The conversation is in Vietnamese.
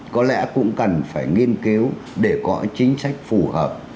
có lẽ cũng cần phải nghiên cứu để có chính sách phù hợp